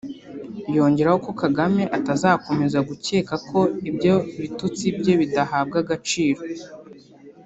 yongeraho ko Kagame atazakomeza gukeka ko ibyo bitutsi bye bidahabwa agaciro